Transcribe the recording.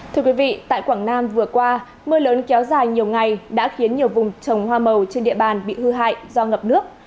thưa quý vị tại quảng nam vừa qua mưa lớn kéo dài nhiều ngày đã khiến nhiều vùng trồng hoa màu trên địa bàn bị hư hại do ngập nước